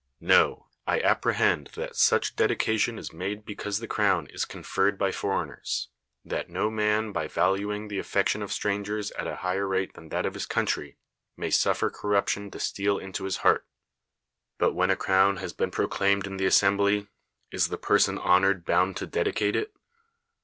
Xo ; I ap prehend that such dedication is made because the crovrn is conferred by foreigners, that no luan by valuing the affection of strangers at a higher rate than that of his country, may suffer corruption to steal into his heart. But when a crown has been proclaimed in the assembly, is the person honored bound to dedicate it